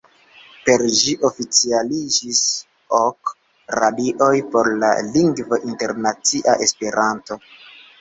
Per ĝi oficialiĝis ok radikoj por la lingvo internacia Esperanto.